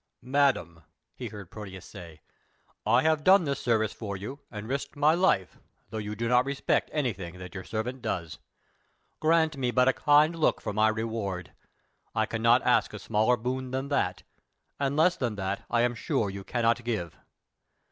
"Madam," he heard Proteus say, "I have done this service for you and risked my life, though you do not respect anything that your servant does. Grant me but a kind look for my reward. I cannot ask a smaller boon than that, and less than that I am sure you cannot give."